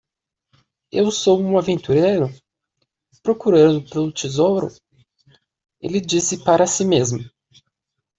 "Eu sou um aventureiro? procurando pelo tesouro?" ele disse para si mesmo.